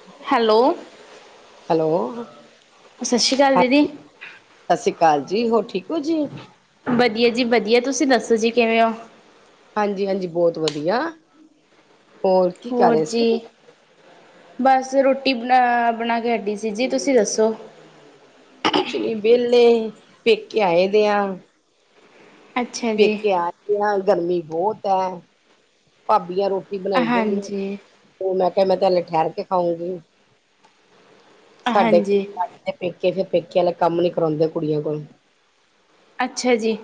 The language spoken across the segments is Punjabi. ਦ ਹੈਲੋ। ਹੈਲੋ। ਸਤਿ ਸ਼੍ਰੀ ਅਕਾਲ ਹਾਂ ਦੀਦੀ। ਸਤਿ ਸ੍ਰੀ ਅਕਾਲ ਜੀ, ਹੋਰ ਠੀਕ ਹੋ ਜੀ? ਵਧੀਆ ਜੀ ਵਧੀਆ। ਤੁਸੀਂ ਦੱਸੋ ਜੀ ਕਿਵੇਂ ਹੋ? ਹਾਂਜੀ-ਹਾਂਜੀ, ਬੋਤ ਵਧੀਆ। ਕੀ ਕਰ ਹੋਰ ਰਹੇ ਸੀ ਜੀ। ਬਸ, ਰੋਟੀ ਬਣਾ ਅ ਬਣਾ ਕੇ ਹਟੀ ਸੀ ਜੀ, ਤੁਸੀਂ ਦੱਸੋ। ਕੁਛ ਨੀ ਵੈਲੇ, ਪੇਕੇ ਆਏ ਦੇਆ। ਅੱਛਾ ਜੀ ਪੇਕੇ ਆ ਗਏ ਆਂ, ਗਰਮੀ ਬੋਤ ਐ। ਭਾਬੀਆਂ ਰੋਟੀ ਬਣਾਈ ਜਾਂਦੀਆਂ। ਹਾਂਜੀ ਮੈਂ ਕੇਆ, ਮੈਂ ਤੇ ਹੱਲੇ ਠਹਿਰ ਕੇ ਖਾਊਂਗੀ। ਸਾਡੇ ਹਾਂਜੀ ਪੇਕੇ ਫੇਰ, ਪੇਕੇ ਵਾਲੇ ਕੰਮ ਨੀ ਕਰਾਉਂਦੇ ਕੁੜੀਆਂ ਕੋਲ। ਅੱਛਾ ਜੀ।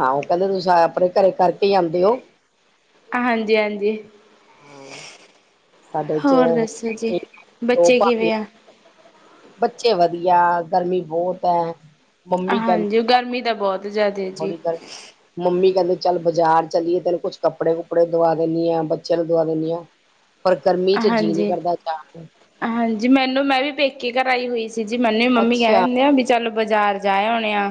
ਹਾਂ, ਓ ਕੈਂਦੇ ਤੁਸਾਂ ਆਪਣੇ ਘਰੇ ਕਰਕੇ ਈਂ ਆਉਂਦੇਓ। ਹਾਂਜੀ-ਹਾਂਜੀ। ਹਾਂ ਸਾਡੇ ਚ ਹੋਰ ਦੱਸੋ ਜੀ, ਦੋ ਬੱਚੇ ਭਾਬੀਆਂ ਕਿਵੇਂ ਆ? ਬੱਚੇ ਵਧੀਆ, ਗਰਮੀ ਬੋਤ ਐ। ਹਾਂਜੀ, ਓ ਗਰਮੀ ਤਾਂ ਬੋਤ ਬੜੀ ਗਰ ਮੰਮੀ ਕੈਦੇ ਚੱਲ ਬਾਜ਼ਾਰ ਚੱਲੀਏ, ਤੈਨੂੰ ਕੁਛ ਕੱਪੜੇ-ਕੁੱਪੜੇ ਦਵਾ ਦਿੰਨੀਂ ਆ, ਬੱਚੇਆਂ ਨੂੰ ਦਵਾ ਦੇਨੀ ਆਂ। [inaudible] ਪਰ, ਗਰਮੀ ਚ ਜੀਅ ਨੀਂ ਹਾਂਜੀ ਕਰਦਾ ਜਾਨ ਨੂੰ। ਹਾਂਜੀ ਮੈਨੂੰ ਮੈਂ ਵੀ ਪੇਕੇ ਘਰ ਆਈ ਹੋਈ ਸੀ ਜੀ ਮੈਨੂੰ ਵੀ ਮੰਮੀ ਕੈ ਅੱਛਾ ਦਿੰਦੇ ਆ ਵੀ ਚੱਲ ਬਾਜ਼ਾਰ ਜਾਇਆ ਓਣੇਆ,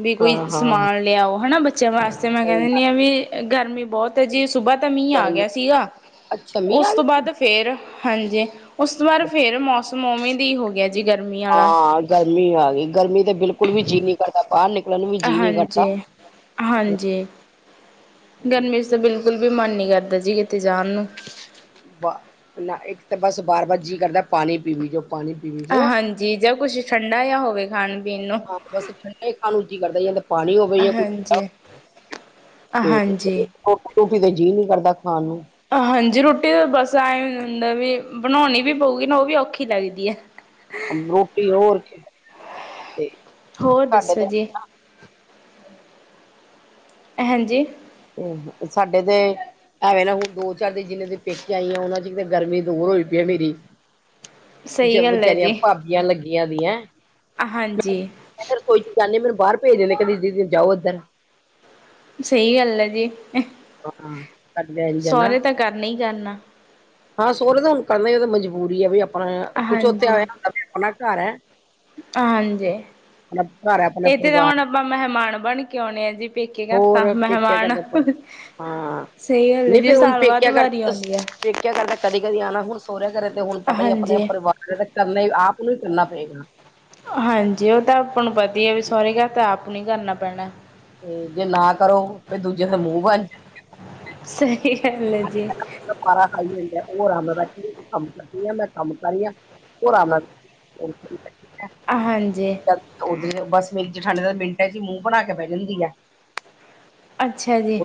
ਵੀ ਕੋਈ ਹਾਂ ਹਾਂ ਸਮਾਨ ਲਿਆਓ ਹੈਨਾ ਬੱਚਿਆਂ ਵਾਸਤੇ। ਫੇਰ ਮੈਂ ਕੇਹ ਸਹੀ ਗੱਲ ਦਿੰਦੀ ਆ ਵੀ ਗਰਮੀ ਬੋਤ ਜੀ ਸੁਬਾਹ ਤਾਂ ਮੀਂਹ ਆ ਗਰਮੀ ਗਿਆ ਸੀਗਾ। ਅੱਛਾ, ਮੀਹ ਆ ਉਸ ਗਿਆ ਤੋਂ ਸੀਗਾ। ਬਾਅਦ ਫੇਰ ਹਾਂਜੀ, ਉਸ ਤੋਂ ਬਾਦ ਫੇਰ ਮੌਸਮ ਓਵੇਂ ਦੀ ਹੋ ਗਿਆ ਜੀ, ਗਰਮੀ ਆਲਾ। ਹਾਂ ਗਰਮੀ ਆ ਗਈ, ਗਰਮੀ ਤੇ ਬਿਲਕੁਲ ਵੀ ਜੀਅ ਨੀਂ ਬਾਰ ਨਿਕਲਣ ਨੂੰ ਵੀ ਹਾਂਜੀ-ਹਾਂਜੀ, ਗਰਮ ਤੇ ਬਿਲਕੁਲ ਵੀ ਮਨ ਨੀ ਕਰਦਾ ਜੀ, ਕਿਤੇ ਜਾਣ ਨੂੰ। ਨਾ ਇੱਕ ਤਾਂ ਬਸ ਬਾਰ-ਬਾਰ ਜੀਅ ਕਰਦਾ ਪਾਣੀ ਪੀਵ ਜੋ। ਪਾਣੀ ਪੀਵੀ ਜੋ ਹਾਂਜੀ, ਜਾਂ ਕੁਛ ਠੰਡਾ ਜਾ ਹੋਵੇ ਖਾਣ-ਪੀਣ ਨੂੰ। ਹਾਂ ਬਸ, ਠੰਡਾ ਖਾਣ ਨੂੰ ਜੀ ਕਰਦਾ ਜਾਂਦਾ। ਪਾਣੀ ਹੋਵੇ ਯਾਂ ਕੁਛ ਹਾਂਜੀ ਹਾਂਜੀ [unintelligible] ਰੋਟੀ-ਰੂਟੀ ਤੇ ਜੀਅ ਨੀ ਕਰਦਾ ਖਾਣ ਨੂੰ। ਹਾਂਜੀ ਰੋਟੀ ਬਸ ਐਂ ਹੁੰਦਾ ਵੀ ਬਣਾਉਣੀ ਵੀ ਪਊਗੀ ਨਾ ਓਵੀ ਔਖੀ ਲੱਗਦੀ ਐ। ਰੋਟੀ ਹੋਰ ਕੇ ਤੇ ਹੋਰ ਸਾਡੇ ਦੱਸੋ ਤੇ ਜੀ। ਹਾਂਜੀ। ਤੇ ਸਾਡੇ ਤੇ ਐਵੇਂ ਨਾ ਹੁਣ ਦੋ-ਚਾਰ ਦੇ ਜਿੰਨਾਂ ਦੇ ਪੇਕੇਆਂ ਆਈ ਆ ਓਨਾਂ ਚਿਰ ਗਰਮੀ ਦੂਰ ਹੋਈ ਪਈਐ ਮੇਰੀ। ਸਈ ਗੱਲ ਐ ਜੀ। ਯਾਂ ਲੱਗੀਆਂ ਦੀਆਂ ਹਾਂਜੀ। ਅਰ ਕੋਈ ਜਾਨੇ ਮੈਨੂੰ ਬਾਹਰ ਭੇਜ ਦਿੰਦੇ, ਦੀਦੀ ਜਾਓ ਓਦਰ। ਸਈ ਗੱਲ ਐਜੀ। ਹਾਂ ਸਾਡੇ ਇੰਝ ਨਾ ਸੋਂਹਰੇ ਤਾਂ ਕਰਨਾ ਈ ਕਰਨਾ ਈ। ਹਾਂ ਸੋਹਰੇ ਦਾ ਹੁਣ ਕਰਨਾ ਪੈਂਦਾ, ਓ ਤਾਂ ਮਜਬੂਰੀ ਐ ਵੀ ਅਪਨੀ। ਕੁਛ ਓਥੇ ਐਂ ਹਾਂਜੀ ਹੁੰਦਾ ਵੀ ਆਪਣਾ ਘਰ ਐ ਹਾਂਜੀ। [unintelligible] ਏਥੇ ਤਾਂ ਹੁਣ ਆਪਾਂ ਮੈਹਮਾਨ ਬਣ ਕੇ ਆਉਣੇ ਆ ਜੀ ਪੇਕੇ ਘਰ ਹੋਰ ਤਾਂ ਪੇਕਿਆ ਮੈਹਮਾਨ ਕਰਦੇ ਪਰ ਹਾਂ ਸਈ ਗੱਲ ਐ ਜੀ ਸਾਲ ਬਾਦ ਵਾਰੀ ਆਉਂਦੀ ਐ। ਪੇਕੇਆਂ ਘਰ ਤਾਂ ਕਦੀ ਕਦੀ ਆਨਾ ਹੁਣ ਸੋਰੇ ਘਰੇ ਤੇ ਹੁਨ ਪਤਾ ਈ ਅਪਨੇ ਹਾਂਜੀ। ਪਰਿਵਾਰ [unintelligible] ਕਰਨਾ ਈ ਆਪ ਨੂੰ ਈ ਕਰਨਾ ਪਏਗਾ। ਹਾਂਜੀ ਓ ਤਾਂ ਆਪਾਂ ਨੂੰ ਪਤਾ ਈ ਐ ਵੀ ਸੋਰੇ ਘਰ ਤਾਂ ਆਪ ਨੂੰ ਈ ਕਰਨਾ ਪੈਣਾ। ਤੇ ਜੇ ਨਾ ਕਰੋ ਫੇਰ ਦੂਜੇ ਦੇ ਮੂੰਹ ਬਨ ਜਾ ਸਈ ਗੱਲ ਐ ਜੀ। [unintelligible] ਓ ਆਰਾਮ ਨਾਲ ਬੈਠੀ ਹੁੰਦੀ ਕੰਮ ਕਰਦੀ ਆਂ, ਮੈਂ ਕੰਮ ਕਰ ਰੀ ਆਂ ਓ ਆਰਾਮ ਨਾਲ [unintelligible] ਹਾਂਜੀ। [unintelligible] ਬਸ ਮੇਰੀ ਜੇਠਾਣੀ ਤਾਂ ਮਿੰਟਾਂ 'ਚ ਈ ਮੂੰਹ ਬਣਾ ਕੇ ਬੈ ਜਾਂਦੀ ਐ। ਅੱਛਾ ਜੀ।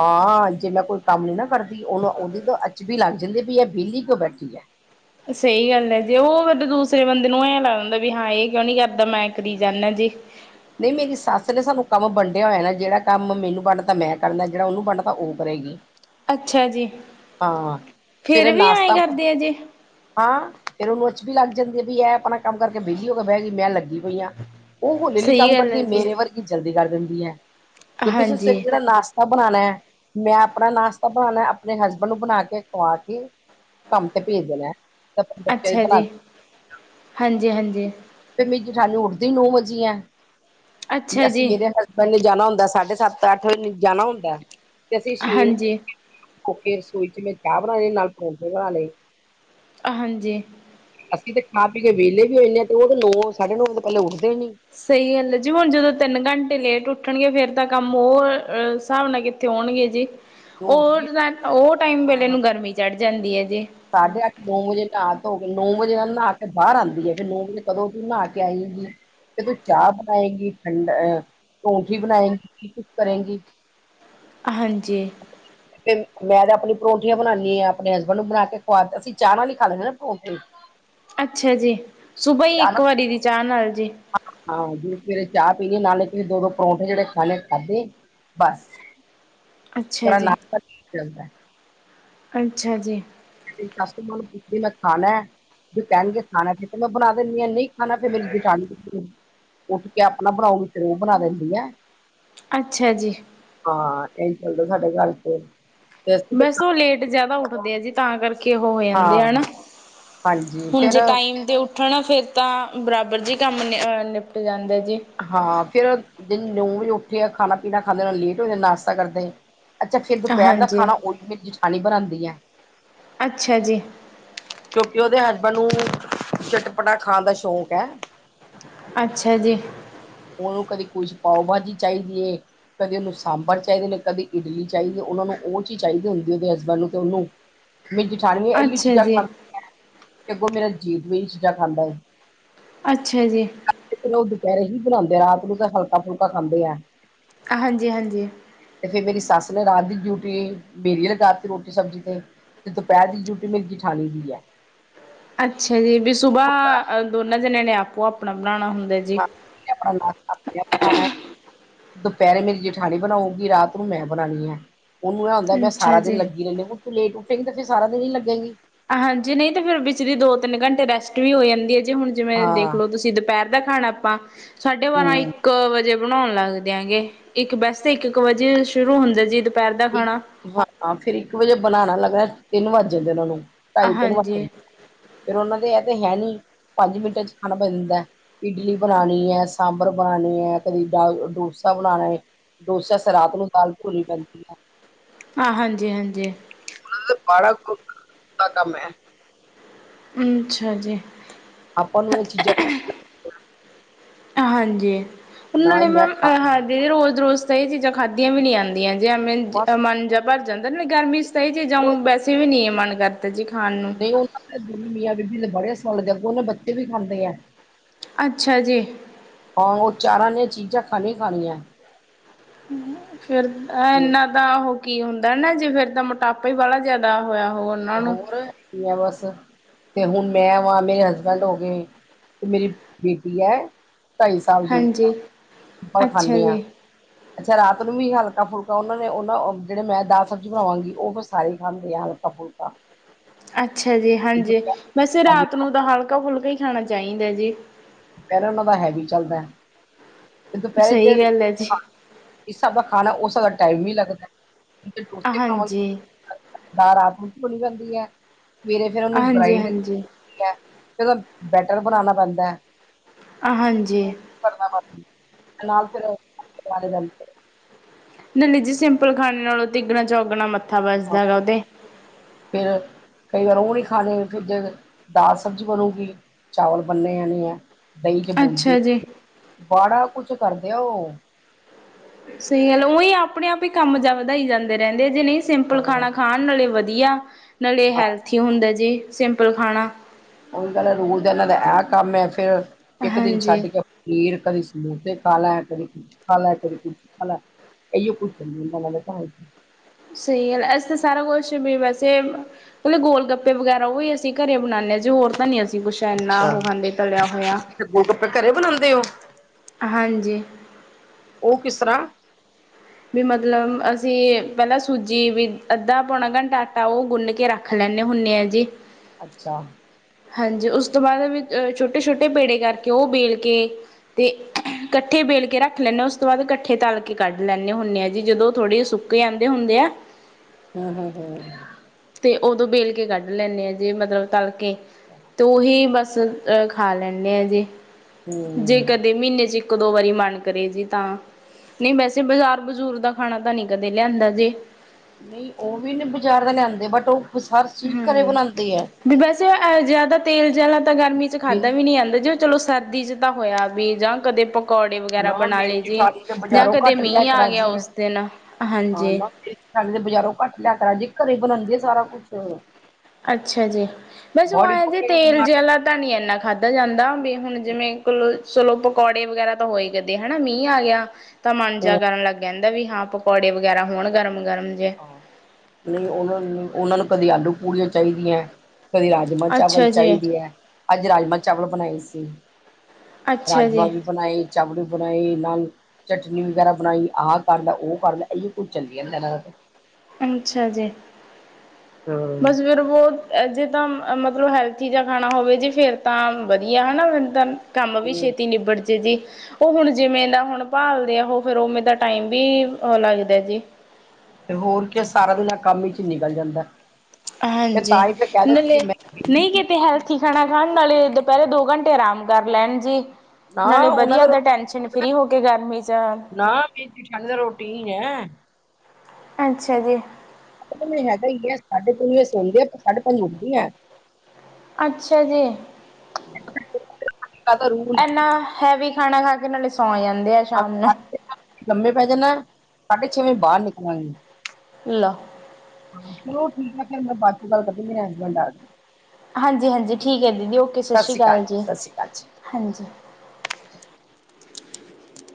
ਹਾਂ ਜੇ ਮੈਂ ਕੋਈ ਕੰਮ ਨੀ ਨਾ ਕਰਦੀ ਓਨੂੰ ਓਂਦੀ ਤਾਂ ਅਚਬੀ ਲੱਗ ਜਾਂਦੀ ਵੀ ਇਹ ਵੇਲੀ ਕਯੋਂ ਬੈਠੀ ਐ। ਸਈ ਗੱਲ ਐ ਜੇ ਓ ਦੂਸਰੇ ਬੰਦੇ ਨੂੰ ਐਂ ਲੱਗ ਦਦਾ ਵੀ ਹਾਂ ਏ ਕਯੋਂ ਨੀ ਕਰਦਾ ਮੈਂ ਕਰੀ ਜਾਂਨਾ ਜੇ। ਨਈ ਮੇਰੀ ਸੱਸ ਨੇ ਸਾਨੂੰ ਕੰਮ ਵੰਡਿਆ ਹੋਇਆ ਨਾ ਜੇੜਾ ਕੰਮ ਮੈਨੂੰ ਵੰਡਤਾਂ ਮੈਂ ਕਰਨਾ ਜਿਹੜਾ ਓਹਨੂੰ ਵੰਡਤਾਂ ਓ ਕਰੇਗੀ, ਅੱਛਾ ਜੀ। ਹਾਂ ਸਵੇਰੇ ਫੇਰ ਵੀ ਐਏਂ ਨਾਸ਼ਤਾ ਕਰਦੇ ਆ ਜੀ। ਹਾਂ ਫਿਰ ਓਨੂੰ ਅਚਬੀ ਲੱਗ ਜਾਂਦੀ ਏ ਬਈ ਐ ਅਪਣਾ ਕੰਮ ਕਰਕੇ ਵੇਲੀ ਹੋ ਕੇ ਬੈ ਗੀ ਮੈਂ ਲੱਗੀ ਪਈ ਆਂ। ਓ ਹੋਲੀ-ਹੋਲੀ ਸਹੀ ਕੰਮ ਗੱਲ ਕਰਦੀ ਹੈ ਜੀ। ਮੇਰੇ ਵਰਗੀ ਜਲਦੀ ਕਰ ਦੇਂਦੀ ਐ ਕਿਉਂਕਿ ਅਸੀਂ ਹਾਂਜੀ। ਸਵੇਰੇ ਦਾ ਨਾਸ਼ਤਾ ਤਾ ਬਣਾਣਾ ਐ ਮੈਂ ਆਪਣਾ ਨਾਸ਼ਤਾ ਬਣਾਣਾ ਐ, ਆਪਣੇ ਹਸਬੈਂਡ ਨੂੰ ਬਣਾ ਕੇ ਖਵਾ ਕੇ ਕੰਮ ਤੇ ਭੇਜਨਾ ਐ। ਅੱਛਾ ਜੀ, ਹਾਂਜੀ-ਹਾਂਜੀ। ਫਿਰ ਮੇਰੀ ਜੇਠਾਨੀ ਉੱਠਦੀ ਈ ਨੋ ਵਜੇ ਐ, ਅੱਛਾ ਅਸੀਂ ਜੀ। ਮੇਰੇ ਹਸ ਬੈਂਡ ਨੇ ਜਾਣਾ ਹੁੰਦਾ ਐ ਸਾਢੇ ਸੱਤ-ਅੱਠ ਵਜੇ ਜਾਣਾ ਹੁੰਦਾ ਤੇ ਅਸੀਂ ਛੇ ਵਜੇ ਉੱਠ ਕੇ ਹੋਕੇ ਰਸੋਈ 'ਚ ਮੈਂ ਚਾ ਬਣਾ ਲਈ ਨਾਲ ਪਰੌਠੇ ਬਣਾ ਲੇ। ਹਾਂਜੀ। ਅਸੀਂ ਤੇ ਖਾ ਪੀ ਕੇ ਵੇਲੇ ਵੀ ਹੋ ਜਾਨੇ ਆਂ ਤੇ ਓ ਤਾਂ ਨੋ ਸਾਢੇ ਨੋ ਵਜੇ ਤੋਂ ਪੈਲੇ ਉਠਦੇ ਨੀ। ਸਈ ਗੱਲ ਐ ਜੀ ਹੁਣ ਜਦੋਂ ਤਿੰਨ ਘੰਟੇ ਲੇਟ ਉੱਠਣਗੇ ਫੇਰ ਤਾਂ ਕੰਮ ਓ ਹਿਸਾਬ ਨਾਲ ਕੀ ਤੇ ਆਉਣਗੇ ਜੀ, ਉਹ ਓ ਉੱਠਦੀ [unintelligible] ਓ ਟਾਈਮ ਵੇਲੇ ਹਾਂ ਏਨੂੰ ਗਰਮੀ ਚੜ੍ਹ ਜਾਂਦੀ ਏ ਜੀ। ਸਾਢੇ ਅੱਠ ਨੋ ਵਜੇ ਨਹਾ ਧੋ ਕੇ ਨੋ ਵਜੇ ਨਹਾ ਕੇ ਬਾਰ ਆਂਦੀ ਏ ਫਿਰ ਨੋ ਵਜੇ ਕਦੋਂ ਤੂੰ ਨਹਾ ਕੇ ਆਏਂਗੀ। ਕਦੋ ਚਾਹ ਬਨਾਏਂਗੀ ਠੰਡ ਅ ਪਰੌਂਠੀ ਬਨਾਏਗੀ ਕੀ ਕੁਛ ਕਰੇਂਗੀ। ਹਾਂਜੀ। ਤੇ ਮੈਂ ਤਾਂ ਆਪਨੀ ਪਰੌਠੀਆਂ ਬਨਾਨੀ ਆਂ ਅਪਨੇ ਹਸਬੈਂਡ ਨੂੰ ਬਨਾ ਕੇ ਖ਼ਵਾਤਾ ਅਸੀਂ ਚਾਹ ਨਾਲ ਈ ਖਾ ਲੈਂਦੇ ਨਾ ਪਰੋਠੇ। ਅੱਛਾ ਜੀ, ਸੁਬਾਹ ਈ ਇੱਕ ਨਾਲ ਵਾਰੀ ਦੀ ਚਾਹ ਨਾਲ ਜੀ। ਹਾਂ ਜਿਵੇਂ ਸਵੇਰੇ ਚਾਹ ਪੀਨੀ ਨਾਲੇ ਕਿ ਦੋ ਦੋ ਪਰੌਂਠੇ ਜੇੜੇ ਖਾਨੇ ਖਾਧੇ ਬਸ। ਅੱਛਾ ਥੋੜਾ ਜੀ, ਨਾਸ਼ਤਾ ਚੱਲਦਾ ਅੱਛਾ ਜੀ। ਤੇ ਸੱਸੂ ਮਾਂ ਨੂੰ ਪੁੱਛਦੀ ਮੈਂ ਖਾਨਾ ਐ। ਜੇ ਕੈਨਗੇ ਖਾਨਾ ਫੇਰ ਤੇ ਮੈਂ ਬਣਾ ਦਿੰਦੀ ਹਾਂ ਨਹੀਂ ਖਾਣਾ ਫਿਰ ਮੇਰੀ ਜਠਾਣੀ ਉੱਠ ਕੇ ਆਪਣਾ ਬਣਾਓ ਫੇਰ ਓ ਬਣਾ ਦੇਂਦੀ ਐ। ਅੱਛਾ ਜੀ। ਹਾਂ ਏਹੀ ਚੱਲਦਾ ਸਾਡੇ ਘਰ ਤੇ। ਤੇ ਅਸੀਂ ਤੇ ਬਸ ਓ ਲੇਟ ਜਾਦਾ ਉੱਠਦੇ ਐ ਜੀ ਤਾਂ ਕਰ ਕਿ ਉਹ ਹੋ ਜਾਂਦੇ ਆ ਹਨਾ ਹਾਂ ਹਾਂਜੀ ਹੁਣ ਫਿਰ ਜੇ ਟਾਈਮ ਤੇ ਉੱਠ ਨਾ ਫਿਰ ਤਾਂ ਬਰਾਬਰ ਜੀ ਕੰਮ ਨਿ ਨਿਪਟ ਜਾਂਦਾ ਜੀ। ਹਾਂ ਫੇਰ ਜਨ ਨੌ ਵਜੇ ਉੱਠੇ ਆ ਖਾਣਾ ਪੀਣਾ ਖਾਂਦੇ ਨਾਲ ਲੇਟ ਹੋ ਜਾਂ ਨਾਸ਼ਤਾ ਕਰਦੇ। ਅੱਛਾ ਫਿਰ ਦੁਪੈਰ ਦਾ ਹਾਂਜੀ, ਖਾਣਾ ਓ ਵੀ ਮੇਰੀ ਜਠਾਣੀ ਬਣਾਂਦੀ ਐ। ਅੱਛਾ ਜੀ। ਕਿਉਂਕਿ ਉਦੇ ਹਸਬੈਂਡ ਨੂੰ ਚਟਪਟਾ ਖਾਣ ਦਾ ਸ਼ੌਂਕ ਐ। ਅੱਛਾ ਜੀ। ਉਨੂੰ ਕਦੇ ਕੁਛ ਪਾਓ ਭਾਜੀ ਚਾਈਦੀ ਏ। ਕਦੇ ਉਨੂੰ ਸਾਂਬਰ ਚਾਈਦੇ ਨੇ ਕਦੇ ਇਡਲੀ ਚਾਈਦੀ ਉਨਾਂ ਨੂੰ ਓ ਚੀਜ਼ ਚਾਈਦੀ ਹੁੰਦੀ ਉਦੇ ਹਸਬੈਂਡ ਨੂੰ ਤੇ ਉਨੂੰ ਮੇਰੀ ਜਠਾਣੀ ਵੀ ਇਹੀ ਅੱਛਾ ਚੀਜ਼ਾਂ ਜੀ, ਖਾਂਦੀ ਅੱਗੋਂ ਮੇਰਾ ਜੇਠ ਵੀ ਇਹੀ ਚੀਜ਼ਾਂ ਖਾਂਦਾ ਏ। ਅੱਛਾ ਜੀ। ਫਿਰ ਓ ਦੁਪੈਰੇ ਹੀ ਬਣਾਂਦੇ ਆ ਰਾਤ ਨੂੰ ਤਾਂ ਹਲਕਾ ਫੁਲਕਾ ਖਾਂਦੇ ਐ। ਹਾਂਜੀ-ਹਾਂਜੀ ਤੇ ਫਿਰ ਮੇਰੀ ਸੱਸ ਨੇ ਰਾਤ ਦੀ ਡਿਊਟੀ ਮੇਰੀ ਲਗਾ ਦਿੱਤੀ ਰੋਟੀ ਸਬਜ਼ੀ ਤੇ ਤੇ ਦੁਪੈਰ ਦੀ ਡਿਊਟੀ ਮੇਰੀ ਜੇਠਾਣੀ ਦੀ ਐ। ਅੱਛਾ ਜੀ ਵੀ ਸੁਬਾਹ ਦੋਨਾਂ ਜਣਿਆਂ ਨੇ ਆਪੋ ਆਪਣਾ ਬਣਾਣਾ ਹੁੰਦਾ ਜੀ। ਆਪਣਾ ਕਰ ਆਪਣੀਆਂ ਪਕਾਵਾਂ। ਦੁਪੈਰੇ ਮੇਰੀ ਜੇਠਾਣੀ ਬਣਾਉਗੀ ਰਾਤ ਨੂੰ ਮੈਂ ਬਣਾਣੀ ਆਂ। ਉਨੂੰ ਇਹ ਹੁੰਦਾ ਮੈਂ ਅੱਛਾ ਸਾਰਾ ਦਿਨ ਜੀ, ਲੱਗੀ ਰੈਂਣੀ ਆਂ ਤੂੰ ਲੇਟ ਉਠੇਗੀ ਤੇ ਫਿਰ ਸਾਰਾ ਦਿਨ ਈ ਲਗੇਗੀ। ਹਾਂਜੀ ਨਈ ਤੇ ਫਿਰ ਵਿਚਲੀ ਦੋ ਤਿੰਨ ਘੰਟੇ ਰੈਸਟ ਵੀ ਹੋ ਜਾਂਦੀ ਏ ਜੇ ਹੁਣ ਜਿਵੇਂ ਹਾਂ ਦੇਖਲੋ ਤੁਸੀ ਦੁਪੈਰ ਦਾ ਖਾਣਾ ਆਪਾਂ ਸਾਢੇ ਬਾਰਾਂ ਇ ਹਮ ਇੱਕ ਵਜੇ ਬਣਾਉਣ ਲੱਗਦੇ ਆਂਗੇ ਇੱਕ ਵੈਸੇ ਇੱਕ-ਇੱਕ ਵਜੇ ਸ਼ੁਰੂ ਹੁੰਦਾ ਜੀ। ਦੁਪਹਿਰ ਦਾ ਖਾਣਾ ਇੱਕ ਹਾਂ ਫਿਰ ਇੱਕ ਵਜੇ ਬਣਾਣਾ ਲੱਗਣਾ ਤਿੰਨ ਵੱਜ ਜਾਂਦੇ ਉਨਾਂ ਨੂੰ ਢਾਈ ਤਿੰਨ ਵੱਜ ਹਾਂਜੀ ਜਾਂ ਫਿਰ ਉਨਾਂ ਦੇ ਐ ਤੇ ਹੈ ਨੀ ਪੰਜ ਮਿੰਟਾਂ 'ਚ ਖਾਣਾ ਬਣ ਜਾਂਦਾ। ਇਡਲੀ ਬਣਾਣੀ ਐ ਸਾਂਬਰ ਬਣਾਣੀ ਐ ਕਦੀ ਡ ਡੋਸਾ ਬਣਾਣਾ ਏ। ਡੋਸਾ ਸ ਰਾਤ ਨੂੰ ਦਾਲ ਭੂਲੀ ਪੈਂਦੀ ਐ। ਹਾਂ ਹਾਂਜੀ-ਹਾਂਜੀ ਉਨਾਂ ਦਾ ਬਾੜਾ [unintelligible] ਕੰਮ ਐ। ਅੱਛਾ ਜੀ। ਆਪ ਨੂੰ ਏ ਚੀਜ਼ਾਂ ਹਾਂਜੀ ਉਨਾਂ ਨਾ ਹੀ ਲਈ ਮੈਂ ਮੈਮ ਖਾ ਹਾਂਜੀ ਰੋਜ਼-ਰੋਜ਼ ਤਾਂ ਏ ਚੀਜ਼ਾਂ ਖਾਧੀਆਂ ਵੀ ਨਈ ਜਾਂਦੀਆਂ। ਜੀ ਹਾਂਜੀ ਬਸ ਮਨ ਜਿਹਾ ਭਰ ਜਾਂਦਾ ਗਰਮੀ 'ਚ ਤਾਂ ਈ ਜੇ ਚੀਜਾਂ ਉਹ ਆਊਂ ਵੈਸੇ ਵੀ ਨੀ ਆ ਮਨ ਕਰਦ ਤੇ ਜੀ ਖਾਣ ਨੂੰ ਓ ਦੇ ਦੋਨ ਮੀਆਂ ਬੀਬੀ ਦੇ ਬੜੇ ਸੌਣ ਦੇ ਅੱਗੋ ਬੱਚੇ ਵੀ ਖਾਂਦੇ ਆ। ਅੱਛਾ ਜੀ। ਹਾਂ ਓ ਚਾਰਾਂ ਨੇ ਚੀਜ਼ਾਂ ਖਾਣੀ ਈ ਖਾਣੀਆਂ। ਫਿਰ ਐ ਤੇ ਇਨਾ ਤਾਂ ਓ ਕੀ ਹੁੰਦਾ ਨਾ ਜੇ ਫਿਰ ਤਾਂ ਮੋਟਾਪਾ ਈ ਬੜਾ ਜਾਦਾ ਹੋਇਆ ਹੋਰ ਤੇ ਹੋਰ ਕੀ ਆ ਬਸ ਤੇ ਹੁਣ ਮੈਂ ਵਾਂ ਮੇਰੇ ਹਸਬੈਂਡ ਹੋ ਗਏ ਤੇ ਮੇਰੀ ਬੇਟੀ ਐ। ਢਾਈ ਸਾਲ ਦੀ ਹਾਂਜੀ ਤਾਂ ਅੱਛਾ ਖਾਂਣੇ ਆਂ। ਜੀ ਅੱਛਾ ਰਾਤ ਨੂੰ ਵੀ ਹਲਕਾ ਫੁਲਕਾ ਉਨਾਂ ਨੇ ਉਨਾਂ ਜੇੜੇ ਮੈਂ ਦਾਲ ਸਬਜ਼ੀ ਬਣਾਵਾਂਗੀ ਓ ਪਸੰ ਸਾਰੇ ਖਾਂਦੇ ਆ ਹਲਕਾ ਫੁਲਕਾ ਅੱਛਾ ਜੀ ਤੇ ਹਾਂਜੀ ਵੈਸੇ ਦੁਪਹਿਰ ਹੈਵੀ, ਰਾਤ ਨੂੰ ਤਾਂ ਹਲਕਾ ਫੁਲਕਾ ਈ ਖਾਣਾ ਚਾਈਦਾ ਜੀ। ਕੈਲੇ ਉਨਾਂ ਦਾ ਹੈਵੀ ਚੱਲਦਾ। ਦੁਪਹਿਰੇ ਜੇ ਸਹੀ ਗੱਲ ਹੈ ਜੀ ਇਸ ਹੱਥ ਦਾ ਖਾਣਾ, ਉਸ ਹਿਸਾਬ ਦਾ ਟਾਈਮ ਈ ਲੱਗਦਾ। ਨਹੀਂ ਤੇ ਕੋਫਤੇ ਬਣਾਵਾਂਗੀ, ਹਾਂਜੀ ਦਾਲ ਰਾਤ ਨੂੰ ਘੁਲ ਜਾਂਦੀ ਐ। ਸਵੇਰੇ ਫਿਰ ਉਹਨੂੰ ਹਾਂਜੀ ਗ੍ਰਾਈੰਡ [inaudible] ਹਾਂਜੀ ਫਿਰ ਉਹਦਾ ਬੈਟਰ ਬਣਾਣਾ ਪੈਂਦੈ। ਹਾਂਜੀ। ਫੜਨਾ [unintelligible] ਨਾਲ ਫਿਰ, ਗੁਰਦੁਆਰੇ ਜਾਂਦੇ। ਨਹੀਂ-ਨਹੀਂ ਜੀ, ਸਿੰਪਲ ਖਾਣੇ ਨਾਲੋਂ ਤਿਗਣਾ-ਚੌਗਣਾ ਮੱਥਾ ਬਚਦਾ ਗਾ ਓਹਦੇ। ਫੇਰ ਕਈ ਵਾਰ ਓ ਨਹੀਂ ਖਾਣੇ, ਫਿਰ ਜੇ ਦਾਲ, ਸਬਜ਼ੀ ਬਣੂਗੀ ਚਾਵਲ ਬਣਨੇ ਆਣੇ ਆ। ਦਹੀਂ'ਚ ਬੂਂਦੀ, ਅੱਛਾ ਜੀ ਬਾੜਾ ਕੁਛ ਕਰਦੇ ਆ ਓ। ਸਹੀ ਗੱਲ ਉਂਈ ਆਪਣੇ-ਆਪ ਹ ਕੰਮ ਜਾਂ ਵਧਾਈ ਜਾਂਦੇ ਨੇਂ, ਰਹਿੰਦੇ ਜੇ, ਨਹੀਂ ਸਿੰਪਲ ਹਾਂ ਖਾਣਾ ਖਾਣ ਨਾਲੇ ਵਧੀਆ, ਨਾਲੇ ਹਾਂ ਹੈਲਥੀ ਹੁੰਦਾ ਜੇ, ਸਿੰਪਲ ਖਾਣਾ। ਉਹੀ ਗੱਲ ਰੂਲ ਦਾ ਇਹਨਾਂ ਦਾ ਆ ਕੰਮ ਐ, ਫੇਰ ਇੱਕ ਦਿਨ ਹਾਂਜੀ ਛੱਡਕੇ ਖੀਰ ਕਦੀ ਸਮੋਸੇ ਖਾਲੈ, ਕਦੀ ਕੁਛ ਖਾਲੈ, ਕਦੀ ਕੁਛ ਖਾਲੈ। ਏਈਓ ਕੁੱਛ ਚਲੀ ਜਾਂਦਾ, ਉਹਨਾਂ ਘਰ'ਚ। ਸਹੀ ਗੱਲ, ਅਸੀਂ ਤਾਂ ਸਾਰਾ ਕੁਛ ਵੀ ਵੈਸੇ ਕੱਲੇ ਗੋਲਗੱਪੇ ਵਗੈਰਾ ਓਈ ਅਸੀਂ ਘਰੇ ਬਣਾਂਨੇ ਆ, ਜੀ ਹੋਰ ਤਾਂ ਨੀ ਅਸੀਂ ਕੁਛ ਚੈਨਾ, ਅੱਛਾ ਉਹ ਖਾਂਦੇ ਤਲਿਆ ਹੋਇਆ। ਤੇ ਗੋਲਗੱਪੇ ਘਰੇ ਬਣਾਂਦੇ ਓ? ਹਾਂਜੀ। ਉਹ ਕਿਸ ਤਰ੍ਹਾਂ? ਵੀ ਮਤਲਬ ਅਸੀ, ਪਹਿਲਾਂ ਸੂਜੀ ਵੀ, ਅੱਧਾ ਪੌਣਾ ਘੰਟਾ ਆਟਾ ਉਹ ਗੁੰਨਕੇ ਰੱਖ ਰੱਖ ਲੈਂਨੇ ਹੁੰਨੇ ਆ ਜੀ। ਅੱਛਾ। ਹਾਂਜੀ, ਉਸ ਤੋਂ ਬਾਅਦ ਵੀ ਅ ਛੋਟੇ-ਛੋਟੇ ਪੇੜੇ ਕਰਕੇ, ਉਹ ਬੇਲਕੇ ਤੇ ਕੱਠੇ ਬੇਲਕੇ ਰੱਖ ਲੈਂਨੇ, ਉਸ ਤੋਂ ਬਾਅਦ ਕੱਠੇ ਤਲਕੇ ਕੱਢ ਲੈਂ ਹੁੰਨੇ ਆ ਜੀ, ਜਦੋਂ ਥੋੜੇ ਅੱਛਾ ਸੁੱਕ ਆਂਦੇ ਹੁੰਦੇ ਆ। ਹਾਂ, ਹਾਂ, ਹਾਂ। ਤੇ ਉਦੋਂ ਬੇਲਕੇ ਕੱਢ ਲੈਂਨੇ ਆ, ਜੇ ਮਤਲਬ ਤਲਕੇ, ਤੇ ਓਹੀ ਬਸ ਅਹ ਖਾ ਲੈਂਨੇ ਆ ਜੇ, ਜੇ ਹੂੰ ਕਦੇ ਮ੍ਹੀਨੇ'ਚ ਇ ਇੱਕ-ਦੋ ਵਾਰੀ ਮਨ ਕਰੇ ਜੀ ਤਾਂ, ਨਹੀਂ ਵੈਸੇ ਬਜ਼ਾਰ ਬਜ਼ੁਰ ਦਾ ਖਾਣਾ ਤਾਂ ਨਹੀਂ ਕਦੇ ਲਿਆਂਦਾ ਜੇ। ਨਹੀਂ ਉਹ ਵੀ ਬਜ਼ਾਰ ਦਾ ਲਿਆਂਂਦੇ, ਬਟ ਓ ਹਰ ਚੀਜ਼ ਘਰੇ ਬਣਾਂਦੇ ਆ। ਵੀ ਵੈਸੇ, ਜ਼ਿਆਦਾ ਤੇਲ ਜੇ ਆਲਾ ਤਾ ਗਰਮੀ'ਚ ਖਾਧਾ ਮੇਰੀ ਵੀ ਨਹੀਂ ਜਾਂਦਾ, ਜੇ ਉਹ ਚਲੋ ਸਰ ਚ ਤਾ ਹੋਇਆ ਵੀ, ਜਾਂ ਕਦੇ ਪ ਪਕੌੜੇ ਵਗੈਰਾ ਨਾ ਬਣਾ ਮੇਰੀ ਲਏ ਜੇ, ਜਠਾਣੀ ਤੇ ਜਾਂ ਬਾਜ਼ਾਰੋਂ ਕਦੇ ਘੱਟ ਲਿਆ ਮੀਂਹ ਕੇ ਆਗਿਆ ਰਾਜੀ ਓਸ ਦਿਨ, ਹਾਂਜੀ। ਣੀ ਤਾ ਬਜ਼ਾਰੋਂ ਘੱਟ ਲਿਆਕੇ ਰਾਜੀ, ਘਰੇ ਬਣਾਂਦੀ ਆ ਸਾਰਾ ਕੁੱਛ। ਅੱਛਾ ਜੀ, ਬਸ ਉਹ ਐਂ ਜੀ ਪਕੜੀ ਤੇਲ ਮਾਰ ਜੇ ਆਲਾ ਤਾਂ ਨਹੀਂ ਇੰਨਾ ਖਾ ਧਾ ਜਾਂਦਾ, ਵੀ ਹੁਣ ਜਿਵੇਂ ਕੋਲੋ, ਚਲੋ ਪਕੌੜੇ ਵਗੈਰਾ ਤਾਂ ਹੋਈ ਕਦੇ, ਹਨਾ ਮੀਂਹ ਆਗਿਆ ਤਾਂ ਮਨ ਜਾ ਹੂੰ, ਕਰਨ ਲੱਗ ਜਾਂਦਾ, ਵੀ ਹਾਂ ਪਕੌੜੇ ਵਗੈਰਾ ਹੋਣ ਗਰਮ-ਗਰਮ ਜੇ। ਨਹੀਂ ਉਹਨਾਂ ਨੂੰ, ਉਹਨਾਂ ਨੂੰ ਕਦੇ ਆਲੂ-ਪੂੜੀਆਂ ਚਾਹੀਦੀਆਂ, ਕਦੇ ਰਾਜ ਰਾਜਮਾਂ-ਚਾਵਲ ਅੱਛਾ ਜੀ, ਚਾਹੀਦੀ ਐ, ਅੱਜ ਰਾਜਮਾਂ-ਚਾਵਲ ਬਣਾਏ ਸੀ। ਅੱਛਾ ਰਾਜਮਾਂ ਜੀ, ਵੀ ਬਣਾਏ, ਚਾਵਲ ਵੀ ਬਣਾਏ, ਨਾਲ ਚਟਨੀ ਵਗੈਰਾ ਬਣਾਈ ਆਹ ਕਰਲੈ, ਉਹ ਕਰਲੈ, ਐਈ ਕੁਝ ਚੱਲੀ ਜਾਂਦਾ ਇਹਨਾਂ ਦਾ ਤੇ। ਅੱਛਾ ਜੀ। ਹਮ ਬਸ ਫਿਰ ਵੋ ਜੇ ਤਾਂ ਮਤਲਬ ਹੈਲਥ ਚਿਜਾ ਖਾਣਾ ਹੋਵੇ ਜੇ ਫੇਰ ਤਾਂ ਵਧੀਆ ਹਨਾ [unintelligible] ਕੰਮ ਵੀ ਛੇਤੀ ਨਿਬੜ ਜੇ ਜੀ ਤੋ ਹੁਣ ਜਿਵੇਂ ਦਾ ਹੁਣ ਭਾਲਦੇ ੲੈ ਓਹ ਫੇਰ ਓਵੇ ਦਾ ਟਾਈਮ ਵੀ ਅ ਲੱਗਦਾ ਜੀ। ਤੇ ਹੋਰ ਕੀ ਸਾਰਾ ਦਿਨਾਂ ਕੰਮ ਈ ਚ ਨਿਕਲ ਜਾਂਦੈ ਹਾਂਜੀ, ਨਲੇ ਮੈਂ ਨਈ ਬਿਜੀ ਕਿਤੇ ਹੈਲ ਖੀ ਖਾਣਾ ਖਾਣ ਨਾਲੇ ਦੁਪੈਰੇ ਦੋ ਘੰਟੇ ਅਰਾਮ ਕੱਰ ਲੈਣ ਜੀ। ਨਾ ਨਾਲੇ ਉਹਨਾਂ ਵਧੀਆ ਦਾ ਆਪਦਾ ਟੈਸ਼ਨ ਫ੍ਰੀ ਹੋ ਕੇ ਗਰਮੀ ਚੋ ਨਾ ਮੇਰੀ ਜੇਠਾਣੀ ਦਾ ਰੂਟੀਨ ਹੈ ਅੱਛਾ ਜੀ। ਹੈਗਾ ਈ ਐ ਸਾਡੇ ਤਿਨ ਵਜੇ ਸੋਦੇ ਐ ਸਾਡੇ ਪੰਜ ਉਠਦੀ ਐ। ਅੱਛਾ ਜੀ, ਇੱਕ ਆਹ ਦਾ ਰੂਲ ੲੈਨਾ ਹੈਵੀ ਖਾਣਾ ਖਾ ਕੇ ਨਾਲੇ, ਸੌ ਜਾਂਦੇ ਆ ਸ਼ਾਮ ਨੂੰ ਲੰਬੇ ਪੈ ਜਾਣਾ, ਸਾਢੇ ਛੇ ਵਜੇ ਬਾਰ ਨਿਕਲਾਗੀ ਲਾ ਚਲੋ ਠੀਕ ੲੈ, ਫੇਰ ਮੈਂ ਬਾਦ ਚ ਗੱਲ ਕਰਦੀ ਮੇਰੇ ਹਸਬੈਂਡ ਆਗੇ। ਹਾਂਜੀ-ਹਾਂਜੀ ਠੀਕ ੲੈ ਦੀਦੀ ਓਕੇ ਸਤਿ ਸਸ਼੍ਰੀ ਸ਼੍ਰੀ ਅਕਾਲ ਕਾਲ ਜੀ, ਸਤਿ ਸ਼੍ਰੀ ਅਕਾਲ ਜੀ ਹਾਂਜੀ।